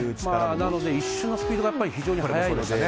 なので一瞬のスピードが非常に速いですね。